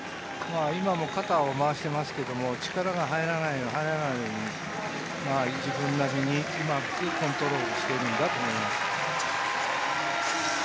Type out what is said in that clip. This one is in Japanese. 今も肩を回していますけれども、力が入らないように、自分なりにうまくコントロールしているんだと思います。